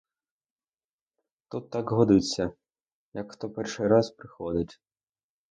Тут так годиться, як хто перший раз приходить.